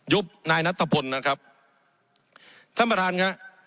ยุคนายนัตตะพลนะครับท่านประธานนะครับ